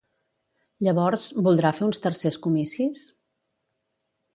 Llavors, voldrà fer uns tercers comicis?